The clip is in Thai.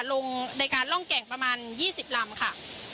ลงในการร่องแก่งประมาณ๒๐ลำค่ะ